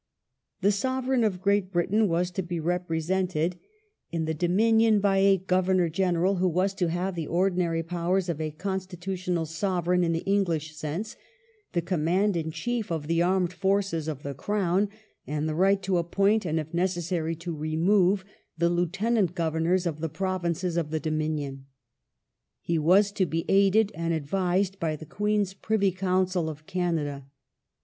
The Sovereign of Great Britain was to be represented in the 360 COLONIAL AND FOREIGN POLICY [1864 Dominion by a Governor General, who was to have the ordinary powers of a Constitutional " Sovereign in the English sense ; the command in chief of the armed forces of the Crown ; and the right to appoint and, if necessary, to remove the Lieutenant Governors of the Provinces of the Dominion. He was to be aided and advised by the Queen's Privy Council of Canada.